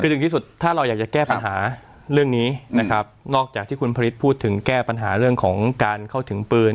คือถึงที่สุดถ้าเราอยากจะแก้ปัญหาเรื่องนี้นะครับนอกจากที่คุณผลิตพูดถึงแก้ปัญหาเรื่องของการเข้าถึงปืน